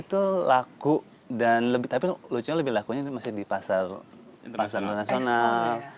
itu laku tapi lucunya lebih lakunya ini masih di pasar internasional